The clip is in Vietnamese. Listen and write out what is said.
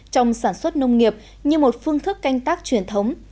trong sản xuất nông nghiệp như một phương thức canh tác truyền thống